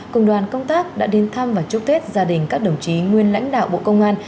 cùng đoàn công tác đã đến thăm và chúc tết gia đình các đồng chí nguyên lãnh đạo bộ công an